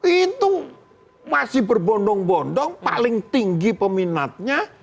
itu masih berbondong bondong paling tinggi peminatnya